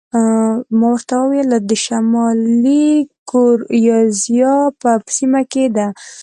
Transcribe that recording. ما ورته وویل: دا د شمالي ګوریزیا په سیمه کې ده.